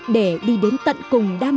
để đi đến tận cùng đam mê